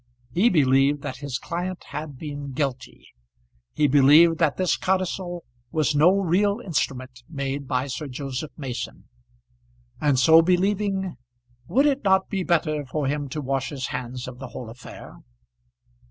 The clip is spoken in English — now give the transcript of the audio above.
He believed that his client had been guilty; he believed that this codicil was no real instrument made by Sir Joseph Mason. And so believing, would it not be better for him to wash his hands of the whole affair?